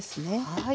はい。